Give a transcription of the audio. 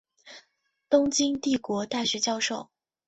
东京帝国大学教授。